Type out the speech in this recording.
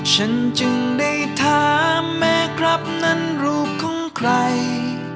ฉันจึงได้ถามแม่ครับนั้นลูกของใคร